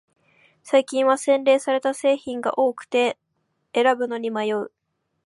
最近は洗練された製品が多くて選ぶのに迷う